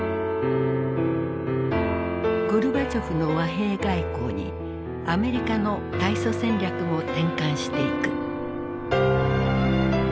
ゴルバチョフの和平外交にアメリカの対ソ戦略も転換していく。